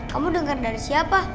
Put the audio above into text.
kamu denger dari siapa